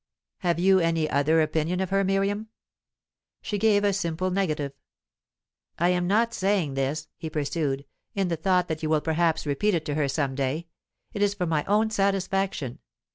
Have you any other opinion of her, Miriam?" She gave a simple negative. "I am not saying this," he pursued, "in the thought that you will perhaps repeat it to her some day. It is for my own satisfaction.